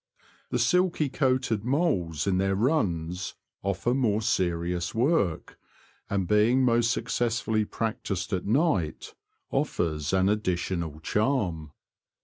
The silky coated moles in their runs offer more serious work, and being most successfully practised at night, offers an additional charm.